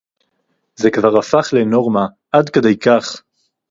זה כבר הפך לנורמה עד כדי כך